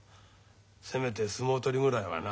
せめて相撲取りぐらいはな。